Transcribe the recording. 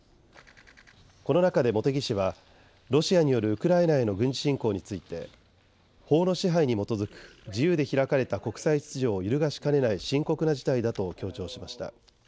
この中で茂木氏はロシアによるウクライナへの軍事侵攻について法の支配に基づく自由で開かれた国際秩序を揺るがしかねない深刻な事態だと強調しました。